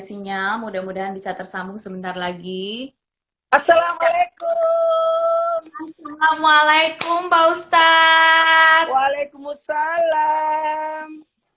sinyal mudah mudahan bisa tersambung sebentar lagi assalamualaikum pak ustadz waalaikumsalam